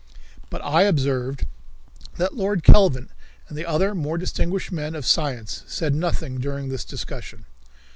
But I observed that Lord Kelvin and the other more distinguished men of science said nothing during this discussion.